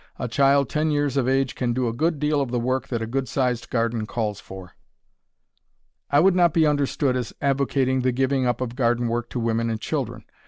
A child ten years of age can do a good deal of the work that a good sized garden calls for. I would not be understood as advocating the giving up of garden work to women and children.